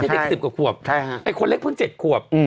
ไม่ใช่เด็ก๑๐กว่าขวบคนเล็กเพิ่ง๗ขวบ